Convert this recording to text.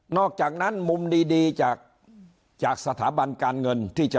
อกจากนั้นมุมดีจากสถาบันการเงินที่จะ